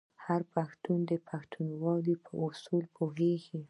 هر پښتون د پښتونولۍ په اصولو پوهیږي.